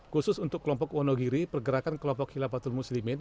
khusus untuk kelompok wonogiri pergerakan kelompok khilafatul muslimin